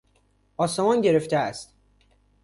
آسمان گرفته است.